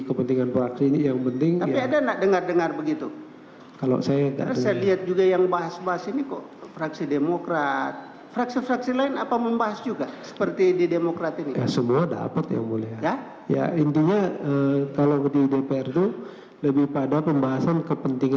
kepentingan praksi ini yang penting